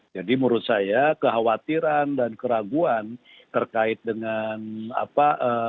jadi menurut saya kekhawatiran dan keraguan terkait dengan apa